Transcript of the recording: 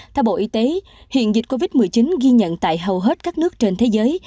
theo bộ y tế hiện dịch covid một mươi chín ghi nhận tại hầu hết các nước trên thế giới